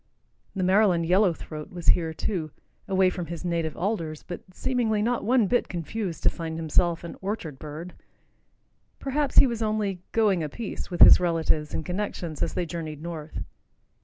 The Maryland yellow throat was here, too, away from his native alders, but seemingly not one bit confused to find himself an orchard bird. Perhaps he was only "going a piece" with his relatives and connections as they journeyed north.